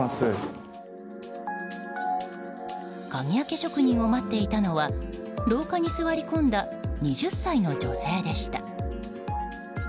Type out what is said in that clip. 鍵開け職人を待っていたのは廊下に座り込んだ２０歳の女性でした。